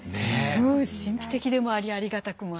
うん神秘的でもありありがたくもあり。